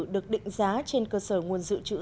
được định giá trên cơ sở nguồn dự trữ